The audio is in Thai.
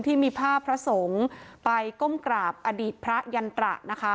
ที่มีภาพพระสงฆ์ไปก้มกราบอดีตพระยันตระนะคะ